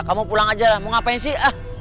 kamu pulang aja lah mau ngapain sih